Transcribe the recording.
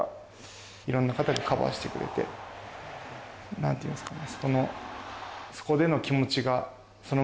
何ていうんですかね。